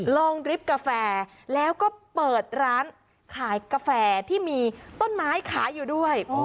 ริฟกาแฟแล้วก็เปิดร้านขายกาแฟที่มีต้นไม้ขายอยู่ด้วย